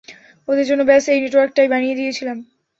ওদের জন্য ব্যস এই নেটওয়ার্কটাই বানিয়ে দিয়েছিলাম।